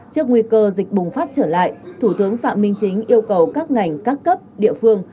trước nguy cơ dịch bùng phát trở lại thủ tướng phạm minh chính yêu cầu các ngành các cấp địa phương